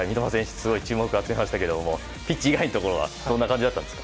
すごく注目を集めましたがピッチ以外のところはどんな感じだったんですか？